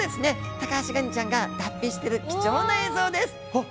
タカアシガニちゃんが脱皮してる貴重な映像です。